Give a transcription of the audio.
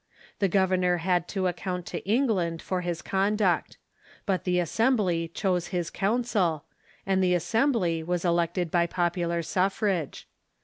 The governor had to account to England for his conduct. But the Assembly chose his council, and the Assem bly was elected by popular suffrage.